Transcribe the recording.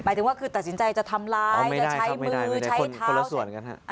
หมายถึงแล้วคือตัดสินใจจากทำร้ายจะใช้มือใช้เท้า